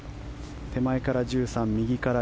手前から１３、右から４。